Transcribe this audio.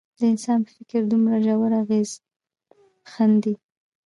د انسان په فکر دومره ژور اغېز ښندي.